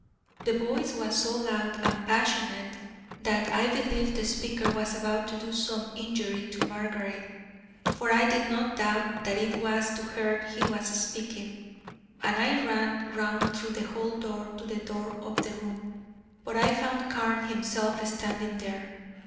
The voice was so loud and passionate that I believed the speaker was about to do some injury to Margaret, for I did not doubt that it was to her he was speaking, and I ran round through the hall door to the door of the room; but I found Carne himself standing there.